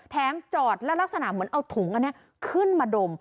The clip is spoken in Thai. จอดและลักษณะเหมือนเอาถุงอันนี้ขึ้นมาดม